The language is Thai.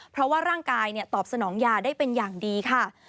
เพราะว่าร่างกายตอบสนองยาได้เป็นอย่างดีค่ะ